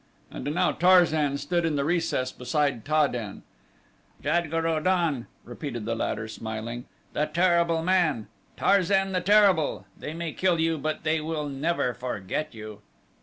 And now Tarzan stood in the recess beside Ta den. "Jad guru don!" repeated the latter, smiling "The terrible man! Tarzan the Terrible! They may kill you, but they will never forget you."